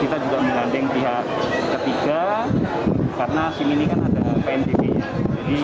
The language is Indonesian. kita juga mengandeng pihak ketiga karena sim ini kan ada pnpb